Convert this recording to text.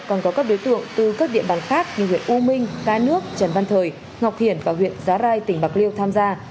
còn có các đối tượng từ các địa bàn khác như huyện u minh cái nước trần văn thời ngọc hiển và huyện giá rai tỉnh bạc liêu tham gia